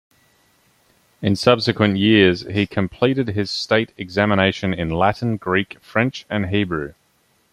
In subsequent years, he completed his state examination in Latin, Greek, French and Hebrew.